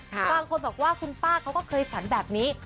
บางคนบอกว่าคุณป้าเขาก็เคยฝันแบบนี้